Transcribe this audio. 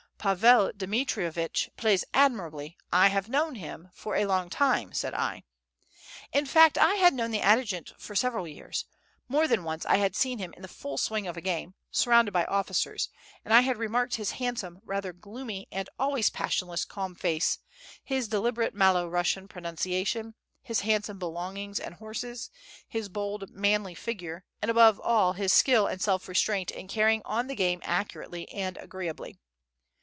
"Pavel Dmitrievitch plays admirably: I have known him for a long time," said I. In fact, I had known the adjutant for several years; more than once I had seen him in the full swing of a game, surrounded by officers, and I had remarked his handsome, rather gloomy and always passionless calm face, his deliberate Malo Russian pronunciation, his handsome belongings and horses, his bold, manly figure, and above all his skill and self restraint in carrying on the game accurately and agreeably.